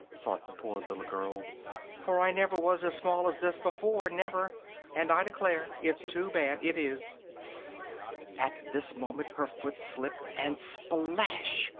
thought the poor little girl, "for I never was as small as this before, never! And I declare it's too bad, it is!" At this moment her foot slipped, and splash!